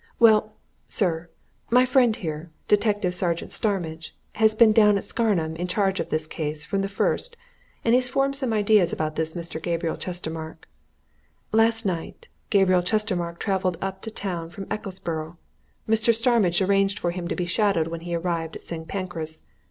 Well, sir, my friend here Detective Sergeant Starmidge has been down at Scarnham in charge of this case from the first, and he's formed some ideas about this Mr. Gabriel Chestermarke. Last night Gabriel Chestermarke travelled up to town from Ecclesborough Mr. Starmidge arranged for him to be shadowed when he arrived at St. Pancras.